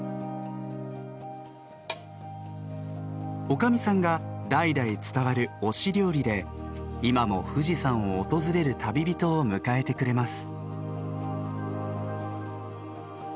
女将さんが代々伝わる御師料理で今も富士山を訪れる旅人を迎えてくれます。